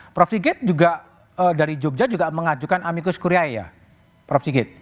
prof sigit juga dari jogja juga mengajukan amikus korea ya prof sigit